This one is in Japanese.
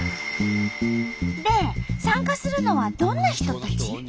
で参加するのはどんな人たち？